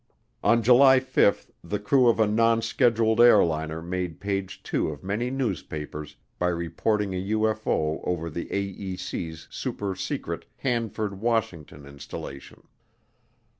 On July 5 the crew of a non scheduled airliner made page two of many newspapers by reporting a UFO over the AEC's supersecret Hanford, Washington, installation.